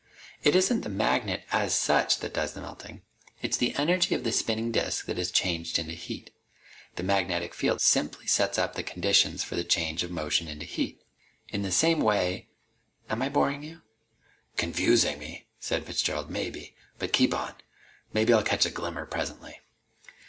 It isn't the magnet, as such, that does the melting. It's the energy of the spinning disk that is changed into heat. The magnetic field simply sets up the conditions for the change of motion into heat. In the same way ... am I boring you?" "Confusing me," said Fitzgerald, "maybe. But keep on. Maybe I'll catch a glimmer presently."